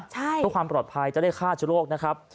เพื่อความปลอดภัยจะได้ฆ่าเชื้อโรคนะครับ